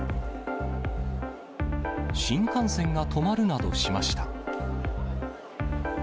新幹線が止まるなどしました。